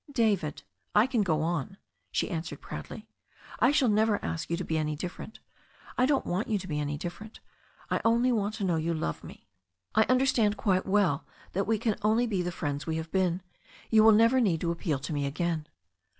"David, I can go on," she answered proudly. "I shall never ask you to be any different. I don't want you to be any different. I only want to know you love me. I under stand quite well that we can only be the friends we have been. You will never need to appeal to me again."